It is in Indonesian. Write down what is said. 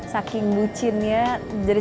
saking bucinnya jadi